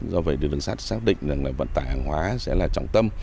do vậy đường sắt xác định rằng là vận tải hàng hóa sẽ là trọng tâm